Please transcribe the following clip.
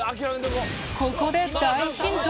ここで大ヒント。